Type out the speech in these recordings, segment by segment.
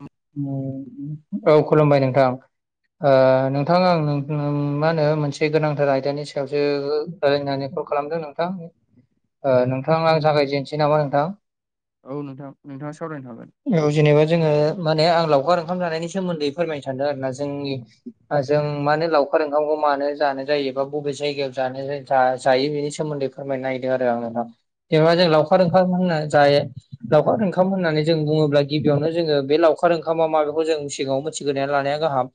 औ उम औ खुलुमबाय नोंथां नोंथां आं मा होनो मोनसे गोनांथार आयदानि सायावसो रायलायनानै कल खालामदों नोंथां नोंथां आं जागायजेनसै नामा नोंथां औ नोंथां नोंथाङा सावरायनो हागोन औ जेनेबा जोङो माने आं लावखार ओंखाम जानायनि सोमोन्दै फोरमायनो सानदों आरोना जोंनि जों मानो लावखार ओंखामखौ मानो जानाय जायो बा बबे जायगायाव जानो जायो बेनि सोमोन्दै फोरमायनो नागेरदों आरो ना आंङो ना जेनेबा जों लावखार ओंखाम होनना जायो लावखार ओंखाम होननानै जों बुङोब्ला गि बेयावनो जोङो बे लावखार ओंखामा मा बेखौ जों सिगाङाव मिथिग्रोनानै लानाया गाहाम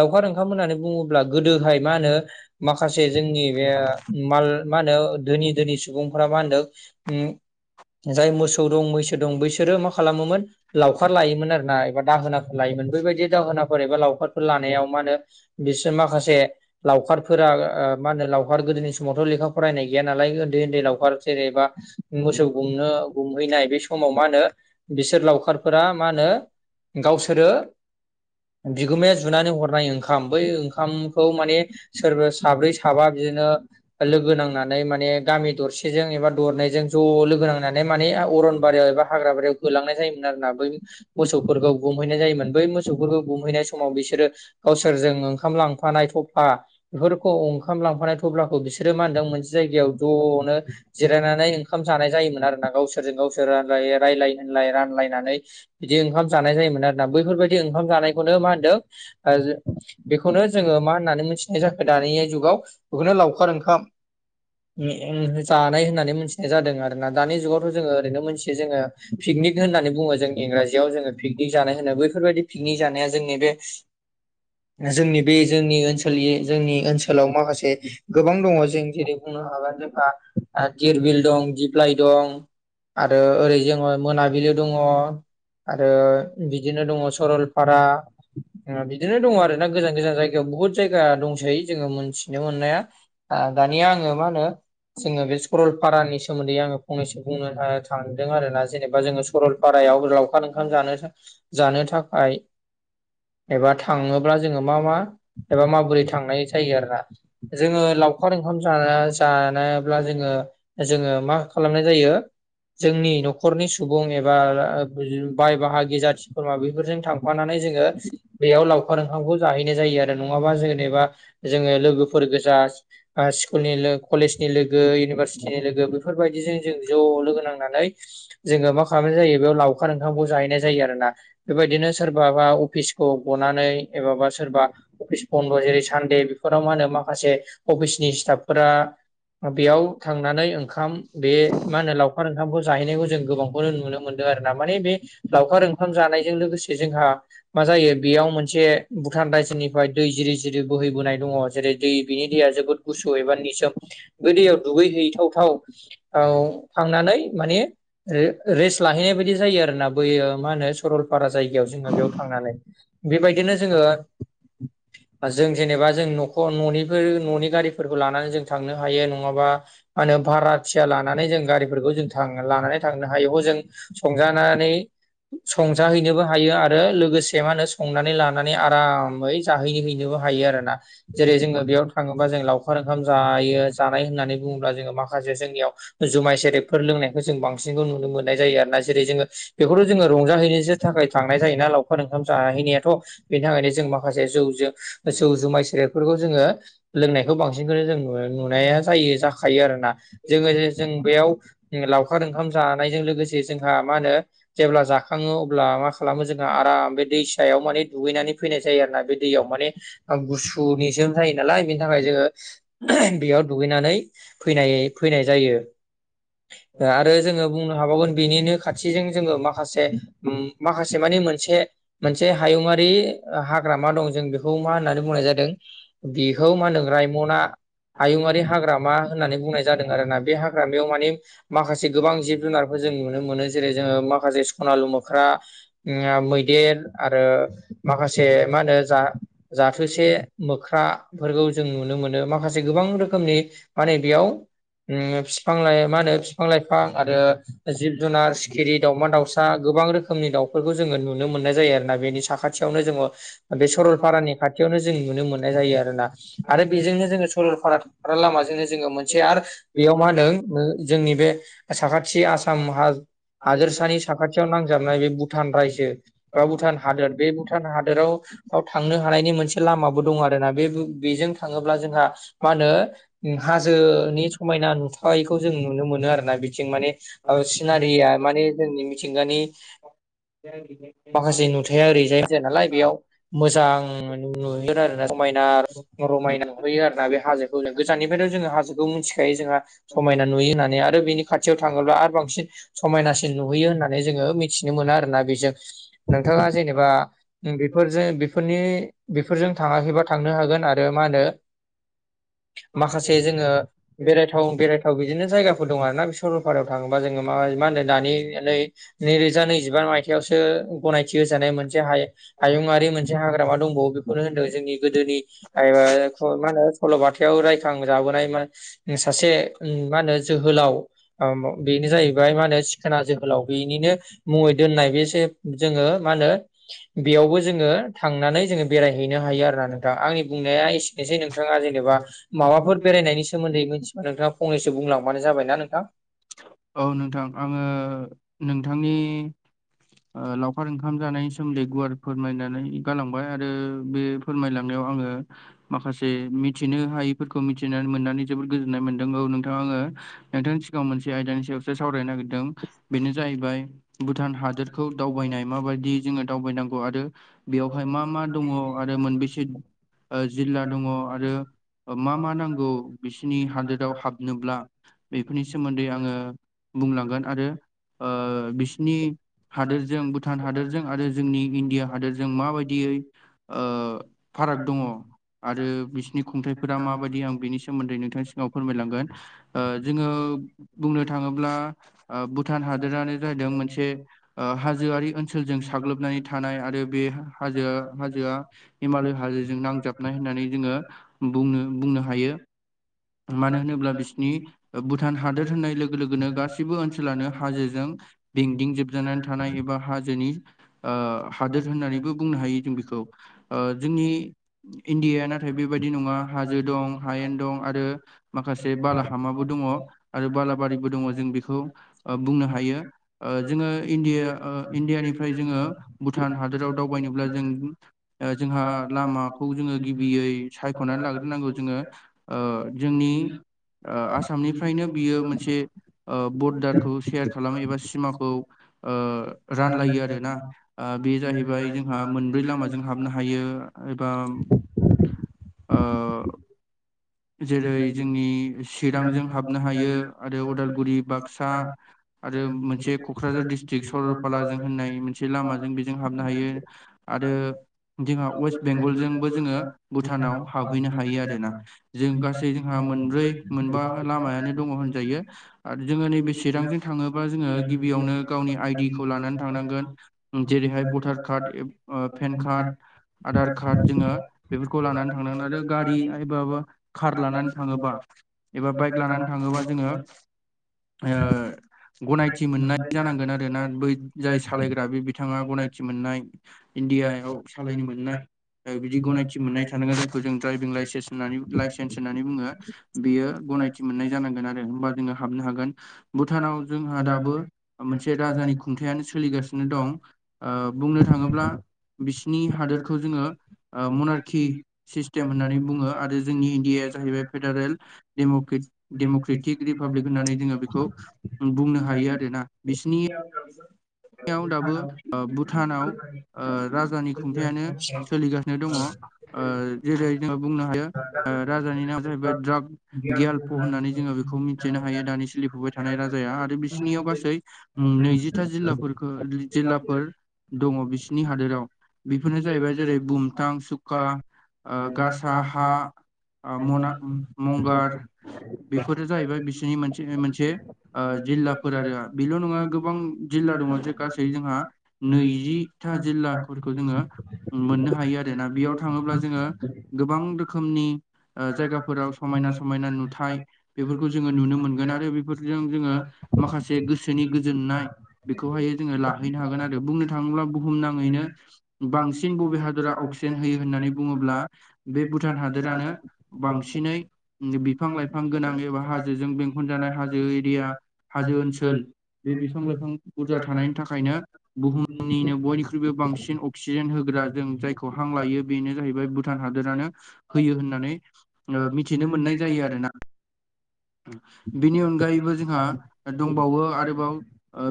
लावखार ओंखाम होननानै बुङोब्ला गोदोहाय मा होनो माखासे जोंनि बे माल मा होनो धोनि धोनि सुबुंफोरा मा होनदों उम जाय मोसौ दं मैसो दं बैसोरो मा खालामोमोन लावखार लायोमोन आरोना एबा दाहोनाफोर लायोमोन बेबायदि दाहोनाफोर एबा लावखारफोर लानायाव मा होनो बिसोर माखासे लावखारफोरा मा होनो लावखार गोदोनि समावथ' लेखा फरायनाय गैया नालाय उन्दै उन्दै लावखार जेरेबा मोसौ गुमनो गुमहैनाय बे समाव मा होनो बिसोर लावखार फोर मा होनो गावसोरो बिगोमाया जुनानै हरनाय ओंखाम बै ओंखामखौ माने सोरबा साब्रै साबा बिदिनो लोगो नांनानै माने गामि दरसेजों एबा दरनैजों ज' लोगो नांनानै माने अरनबारियाव एबा हाग्राबारियाव होलांनाय जायोमोन आरो ना बै मोसौफोरखौ गुमहैनाय जायोमोन बै मोसौफोरखौ गुमहैनाय समाव बिसोरो गावसोरजों ओंखाम लांफानाय थफा बेफोरखौ ओंखाम लांफानाय थब्लाखौ बिसोरो मा होनदों मोनसे जायगायाव ज'नो जिरायनानै ओंखाम जानाय जायोमोन आरोोना गावसोरजों गावसोर रायलाय होनलाय रानलायनानै बिदि ओंखाम जानाय जायोमोन आरो ना बैफोरबायाददि ओंखाम जानायखौनो मा होनदों बेखौनो जोङो मा होननानै मोनथिनाय जाखो दानि जुगाव बेखौनो लावखार ओंखाम जानाय होननानै मिथिनाय जादों आरोना दानि जुगावथ' जोङो ओरैनो मोनथियो जोङो पिकनिक होननानै बुङो जों इंराजियाव जोङो पिकनिक जानाय होनो बैफोरबायदि पिकनिक जानाया जोंनि बे जोंनि बे जोंनि ओनसोल ओनसोल जोंनि ओनसोलाव माखासे गोबां दङ' जों जेरै बुंनो हागोन जोंहा दिरबिल दं दिप्लाइ दं आरो ओरै जोङो मोनाबिलि दङ' आरो बिदिनो दंङ' सरलपारा बिदिनो दंङ' आरो ना गोजान गोजान जायगायाव बहुद जायगा दंसै जोङो मोनथिनो मोननाया दानिया आङो मा होनो जोङो बे सकरलपारानि सोमोन्दै आङो फंनैसो बुंनो थांदों आरो ना जेनेबा जोङो सरलपारायाव लावखार ओंखाम जानो जानो थाखाय एबा थाङोब्ला जोङो मा मा एबा माबोरै थांनाय जायो आरोना जोङो लावखार ओंखाम जा जानोब्ला जोङो जोङो मा खालामनाय जायो जोंनि न'खरनि सुबुं एबा बाय बाहागि जाथि खुरमा बेफोरजों थांफानानै जोङो बेयाव लावखार ओंखामखौ जाहैनाय जायो आरो नङाबा जेनेबा जोङो लोगोफोर गोजा स्कुलनि कलेजनि लोगो इउनिभारसिटिनि लोगो बेफोरबायदिजों जों ज' लोगो नांनानै जोङो मा खालामनाय जायो बेयाव लावखार ओंखामखौ जाहैनाय जायो आरो ना बेबायदिनो सोरबा माबा अफिसखौ गनानै एबा बा सोरबा अफिस बन्द' जेरै सानदे बेफोराव मा होनो माखासे अफिसनि स्टाफ फोरा बेयाव थांनानै ओंखाम बे मा होनो लावखार खार ओंखामखौ जाहैनायखौ जों गोबांखौनो नुनो मोन्दों आरो ना। माने बे लावखार ओंखाम जानायजों लोगोसे जोंहा मा जायो बेयाव मोनसे भुटान रायजोनिफ्राय दै जिरि जिरि बोहैबोनाय दङ जेरै दै बिनि दैया जोबोद गुसु एबा निजोम। बै दैयाव दुगै हैथावथाव औ थांनानै माने रे-रेस लाहैनाय बायदि जायो आरोना बैयो मा होनो सरलपारा जायगायाव जोङो बेयाव थांनानै। बेबायदिनो जोङो आ जों जेनेबा जों न'ख' न'निफोर न'नि गारिफोरखौ लानानै जों थांनो हायो नङाबा मानो भारा थिया लानानै जों गारिफोरखौ जों थां लानानै थांनो हायो। हजों संजानानै संजाहैनोबो हायो आरो लोगोस जे मानो संनानै लानानै आरामै जाहै हैैनोबो हायो आरो ना। जेरै जोङो बेयाव थाङोबा जों लावखार ओंखाम जायो जानाय होननानै बुङोब्ला जोङो माखासे जोंनियाव जुमाय सेरेबफोर लोंनायखौ जों बांसिनखौ नुनो मोननाय जायो आरना। जेरै जोङो बेखौथ' जोङो रंजाहैनोसो थाखाय थांनाय जायोना लावखार ओंखाम जाहैनायाथ'। बिन थाखायनो जों माखासे जौ जों जौ जुमाय सेरेफोरखौ जोङो लोंनायखौ बांसिनखौनो जों नु-नुनाया जायो जाखायो आरो ना। जोङो जे जों बैयाव लावखार ओंखाम जानायजों लोगोसे जोंहा मा होनो जेब्ला जा खाङो अब्ला मा खालामो जोंहा आराम बे दैसायाव माने दुगैनानै फैनाय जायो आरोना बे दैयाव। माने आ गुसु नि जों जायो नालाय बिनि थाखाय जोङो बेयाव दुगैनानै फैनाय फैनाय जायो ओ आरो जोङो बुंनो हाबावगोन बिनिनो खाथिजों जोङो माखासे उम माखासे मानि मोनसे मोनसे हायुंङारि हाग्रामा दं जों बेखौ मा होननानै बुंनाय जादों बिखौ मानदों रायमना आयुआरि हाग्रामा होननानै बुंनाय जादों आरोना बे हाग्रामायाव माने माखासे गोबां जिब जुनार खौ जों नुनो मोनो। जेरै जोङो माखासे सनालु मोख्रा ओंआ मैदेर आरो माखासे मा होनो जा जाथोसे मोख्राफोरखौ जों नुनो मोनो। माखासे गोबां रोखोमनि माने बेयाव उम फिफां लाइ मानो फिफां लाइफां आरो जिब जुनार सिखिरि दावमा दाउसा गोबां रोखोमनि दाउफोरखौ जोङो नुनो मोननाय जायो आरो ना बेनि स साखाथियावनो जोङो बे सरलपारानि खाथियावनो जों नुनो मोननाय जायो आरोना आरो बेजोंनो जोङो सरलपारा ग्रा लामाजोंनो जोङो मोनसे आर बेयाव मा होनदों जोंनि बे साखाथि आस [unintelligible] हादोरसानि साखाथियाव नांजाबनाय बे भुटान रायजो बा भुटान हादोर बे भु टान हादोराव आव थांनो हानायनि मोनसे लामाबो दं आरोना बे बो बेजों थाङोब्ला जोंहा मानो हाजोनि समायना नुथायखौ जों नुनो मोनो आरो ना बिथिं माने ओ सिनारिया मानि जोंनि मिथिंगानि [inaudible] माखासे नुथाया ओरैजाय जाया नालाय बेयाव मोजां नुगोन आरोना समायना रमायना नुहोयो आरोना बे हाजोखौनो गोजाननिफ्रायथ' जोङो हाजोखौ मोन्थि खायो जोंहा समायना नुयो होननानै आरो बिनि खाथियाव थाङोब्ला आरो बांसिन समायना सि सिन नुहैयो होननानै जोङो मिथिनो मोना आरोना बेजों। नोंथाङा जेनेबा जों बेफोरजे बेफोरनि बेफोरजों थाङाखैबा थांनो हागोन आरो मानो माखासे जोङो बेरायथाव बेरायथाव बिदिनो जायगाफोर दं आरोना बे सरलपारायाव बा जोङो मा मानो दानि एनै नैरोजा नैजिबा मायथायाइयावसो गनायथि होजानाय मोनसे हायो। हायुङारि मोनसे हाग्रामा दंबावो बेखौनो होनदों जोंनि गोदोनि मा होनो सल'बथायाव रायखांजाबोनाय म सासे औ मा होनो जोहोलाव बेनो जाहैबाय मा होनो सिखोना जोहोलाव बेनिनो मुवै दोननाय बेसे जोङो मा होनो बेयावबो जोङो थांनानै जोङो बेरायहैनो हायो। आरो ना नोंथां आंनि बुंनाया एसेनोसै नोंथाङा जेनेबा माबाफोर बेरायनायनि सोमोन्दै मोन। नोंथाङा फंनैसो बुंलांबानो जाबाय ना नोंथां? औ नोंथां आङो नोंथांनि। लावखार ओंखाम जानायनि सोम्दै गुवार फोरमायनानै गालांबाय आरो बे फोरमायलांनायाव आङो माखासे मिथिनो हायिफोरखौ मिथिनानै मोननानै जोबोर गोजोननाय मोनदों औ नोंथाङा आङो। नोंथांनि सिगाङाव मोनसे आयदानि सायावसो सावरायनो नागिरदों बेनो जाहैबाय। भुटान हादोरखौ दावबायनाय माबायदि जोङो दावबायनांगौ आरो। बेवहाय मा मा दङ आरो मोनबेसे जिल्ला दङ आरो मा मा नांगौ बिसोरनि हादोराव हाबनोब्ला बे फोरनि सोमोन्दै आङो बुंलांगोन आरो बिसिनि हादोरजों भुटान हादोरजों आरो जोंनि इण्डिया हादोरजों माबायदियै ओ फाराग दङ। आरो बिसिोरनि खुंथाइफोरा माबायदि आं बिनि सोमोन्दै नोंथांनि सिगाङाव फोरमायलांगोन। जोङो बुंनो थाङोब्ला भुटान हादोरानो जादों मोनसे। हाजोआरि ओनसोलजों साग्लोबनानै थानाय आरो बे हाजोआ हाजोआ हिमालय हाजोजों नांजाबनाय होननानै जोङो बुंनो बुंनो हायो। [inaudible] मानो होनोब्ला बिसिोरनि भुटान हादोर होननाय लोगो लोगोनो गासैबो ओनसोलानो हाजोजों। बेंदिं जोबजानानै थानाय एबा हाजोनि हादोर होननानैबो बुं बुंनो हायो जों बेखौ जोंनि इणडियाया नाथाय बेबायादि नङा हाजो दं हायेन दं। आरो माखासे बालाहामाबो दङ आरो बालाबारिबो दङ जों बेखौ बुंनो हायो जोङो इण्डिया इण्डियानिफ्राय जोङो भुटान हादोराव दावबायनोब्ला जों जोंहा लामाखौ जोङो गिबियै सायख'नानै लाग्रोनांगौ जोङो। ओ जोंनि [unintelligible] आसामनिफ्रायनो बियो मोनसे बरडारखौ सेयार खालामो एबा सिमाखौ रानलायो आर ना बे जाहैबाय जोंहा मोनब्रै लामाजों हाबनो हायो। एबा [unintelligible] ओ। जेरै जोंनि चिरांजों हाबनो हायो आरो अदालगुरि बाक्सा आरो मोनसे क'क्राझार दिस्ट्रिक सरलपालाजों होननाय मोनसे लामाजों बेजों हाबनो हायो। आरो जोंहा वेस्ट बेंगलजोंबो जोङो भुटानाव हाबहैनो हायो आरोना। जों गासै जोंहा मोनब्रै मोनबा लामायानो दङ होनजायो आरो जोङो नैबे चिरां थाङोबा जोङो गिबियावनो गावनि आइडि खौ लानानै थांनांगोन जेरैहाय भटार कार्ड पेन फ कार्ड [unintelligible] आधार कार्ड जोङो बेफोरखौ लानानै थांनांगोन आरो गारि एबा कार लानानै थाङोबा एबा बाइक लानानै थाङोबा जोङो [unintelligible] गनायथि मोननाय जानांगोन आरोना बै जाय सालायग्रा बे बिथाङा गनायथि मोननाय। इण्डियाआव सालायनो मोननाय बिदि गनायथि मोननाय थानांगोन जायखौ जों ड्राइभिं लाइन्स होननानै लाइसेन्स होननानै बुङो बेयो गनायथि मोननाय जानांगोन आरो होमबा जोङो हाबनो हागोन भुटानाव जोंहा दाबो मोनसे राजानि खुंथायानो सोलिगासिनो दं ओ बुंनो थाङोब्ला बिसिनि हादोरखौ जोङो ओ मनारखि सिस्टेम होननानै बुङो आरो जोंनि इन डिया जाहैबाय फेडारेल डेम डेम'क्रेटिक रिपाब्लिक होननानै जोङो बेखौ बुंनो हायो आरोना बिसिनि याव दाबो भुटानाव ओ राजानि खुंथायानो सोलिगासिनो दङ ओ जेरै जों बुंनो हायो ओ राजानि नामा जाहैबाय ड्राग गियल्प' होननानै जोङो बेखौ मिथिनो हायो दानि सोलिफुबाय थानाय राजाया आरो बिसिनियाव गासै नैजिथा जिल्ला फोरखो जिल्लाफोर दङ बिसिनि हादोराव बेफोरनो जाहैबाय जेरै बुमथां सुखा ओ गासा हा हा मना मंगार बेफोर जाहैबाय बिसिनि मोनसे मोनसे ओ जिल्लाफोर आरो बेल' नङा गोबां जिल्ला दङ जे गासै जोंहा नैजिथा जिल्लाफोरखौ जोङो मोननो हायो आरो ना बेयाव थाङोब्ला जोङो गोबां रोखोमनि ओ जायगाफोराव समायना समायना नुथाय बेफोरखौ जोङो नुनो मोनगोन आरो बेफोरजों जोङो माखासे गोसोनि गोजोननाय बेखौहायो जोङो लाहैनो हागोन आरो बुंनो थाङोब्ला बुहुमनाङैनो बांसिन बबे हादरा अक्सि जेन होयो होननानै बुङोब्ला बे भुटान हादोरानो बांसिनै बिफां लाइफां गोनां एबा हाजो जों बें बेंखन जानाय हाजो एरिया हाजो ओनसोल बे बिफां लाइफां बुरजा थानायनि थाखायनो बुहुमनिनो बयनिख्रुइबो बांसिन अक्सिजेन होग्रा जों जायखौ हां लायो बेनो जाहैबाय भु टान हादोरानो होयो होननानै मिथिनो मोननाय जायो आरोना बिनि अनगायैबो जोंहा दंबावो आरोबाव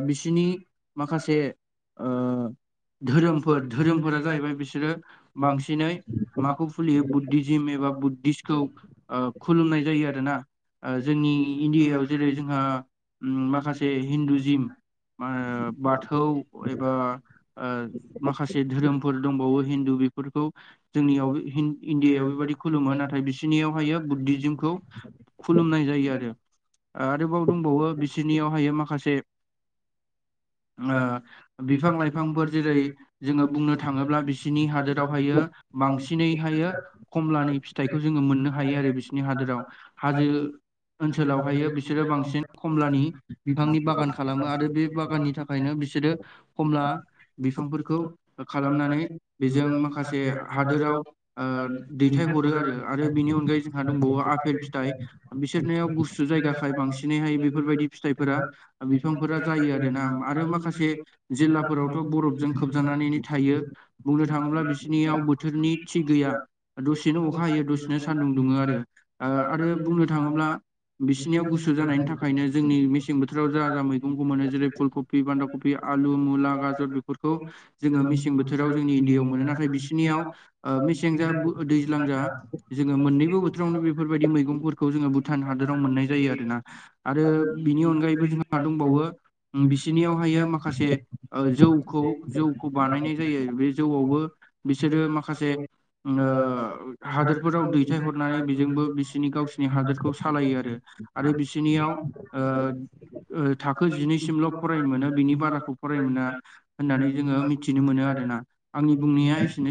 बिसिनि नि माखासे ओ धोरोमफोर धोरोमफोरा जाहैबाय बिसोरो बांसिनै माखौ फुलियो बुद्धिजि एबा बुद्धिसतखौ ओ खुलुमनाय जायो आरोना जोंनि इण्डियायाव जेरै जोंहा माखासे हिन्दुजिम मा होनो बाथौ एबा ओ माखासे धोरोमफोर दंबावो हिन्दु बे फोरखौ जोंनियाव इण्डियायाव बेबायदि खुलुमो नाथाय बिसिनियावहायो बुद्धिजिमखौ खुलुमनाय जायो आरो आरोबाव दंबावो बिसिनियावहायो माखासे ओ बिफां लाइफांफोर जेरै जोङो बुंनो थाङोब्ला बिसिनि हादोरावहायो बांसिनैहायो कमलानि फिथाइखौ जोङो मोननो हायो आरो बिसिनि हादोराव हाजो ओनसोलावहायो बिसोरो बांसिन कमलानि बिफांनि बागान खालामो आरो बे बागाननि थाखायनो बिसोरो कमला बिफांफोरखौ खालामनानै बेजों माखासे हादोराव ओ दैथायहरो आरो आरो बिनि अनगायै जोंहा दंबावो आपेल फिथाइ बिसोरनियाव गुसु जायगा खाय बांसिनैहाय बेफोरबायदि फिथाइफोरा बिफांफोरा जायो आरो ना आरो माखासे जिल्लाफोरावथ' बरफजों खोबजानानैनो थायो बुंनो थाङोब्ला बिसिनियाव बो थोरनि थि गैया दसेनो अखा हायो दसेनो सान्दुं दुङो आरो आरो बुंनो थाङोब्ला बिसिनियाव गुसु जानायनि थाखायनो जोंनि मेसें बोथोराव जा जा मैगंखौ मोनो जेरै फुल क फि बान्दा कफि आलु मुला गाजर बेफोरखौ जोङो मेसें बोथोराव जोंनि इण्डियायाव मोनो नाथाय बिसिनियाव ओ मेसें जा दैज्लां जा जोङो मोननैबो बोथोरावनो बेफोरबायदि मैगंफोर खौ जोङो भुटान हादोराव मोननाय जायो आरोना आरो बिनि अनगायैबो जोंहा दंबावो बिसोरनियावहायो माखासे जौखौ जौखौ बानायनाय जायो बे जौआवबो बिसोरो माखासे हादोरफोराव दैथाय हरनानै बेजोंबो बिसोरनि गावसि नि हादोरखौ सालायो आरो आरो बिसिनियाव थाखो जिनैसिमल' फरायनो मोनो बिनि बाराखौ फरायनो मोना होननानै जोङो मिथिनो मोनो आरोना आंनि बुंनाया एसेनोसै